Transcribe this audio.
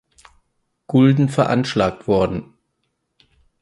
Gulden veranschlagt worden.